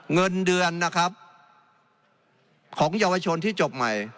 เงินเดือนนะครับของเยาวชนที่จบใหม่